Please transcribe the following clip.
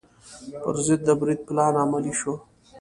پر ضد د برید پلان عملي شو.